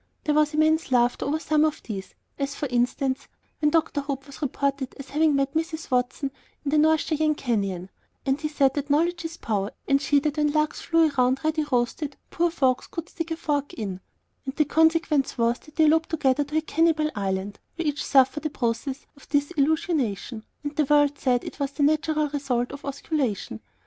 There was immense laughter over some of these, as, for instance, when Dr. Hope was reported as having met Mrs. Watson in the North Cheyenne Canyon, and he said that knowledge is power; and she, that when larks flew round ready roasted poor folks could stick a fork in; and the consequence was that they eloped together to a Cannibal Island where each suffered a process of disillusionation, and the world said it was the natural result of osculation.